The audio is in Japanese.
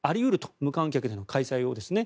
無観客での開催ですね。